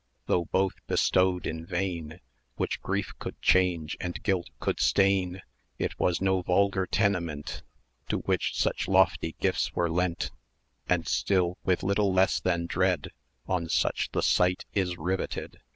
though both bestowed in vain, 870 Which Grief could change, and Guilt could stain, It was no vulgar tenement To which such lofty gifts were lent, And still with little less than dread On such the sight is riveted.